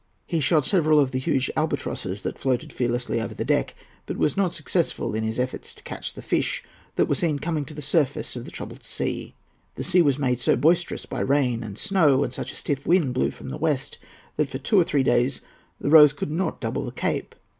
He shot several of the huge albatrosses that floated fearlessly over the deck, but was not successful in his efforts to catch the fish that were seen coming to the surface of the troubled sea. The sea was made so boisterous by rain and snow, and such a stiff wind blew from the west, that for two or three days the Rose could not double the Cape.